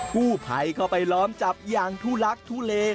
กู้ภัยเข้าไปล้อมจับอย่างทุลักทุเล